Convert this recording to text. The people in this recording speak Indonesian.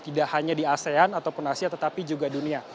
tidak hanya di asean ataupun asia tetapi juga dunia